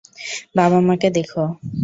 বাবা মাকে দেখ।